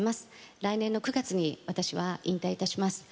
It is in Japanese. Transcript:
来年の９月に私は引退いたします。